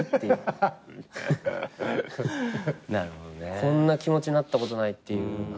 こんな気持ちなったことないっていう。